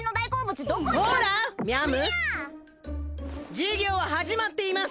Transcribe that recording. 授業は始まっています！